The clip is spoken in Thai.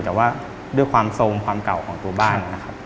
แต่ว่าด้วยความโทรมความเก่าของตัวบ้าน